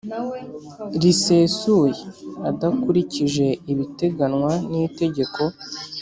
risesuye adakurikije ibiteganywa n itegeko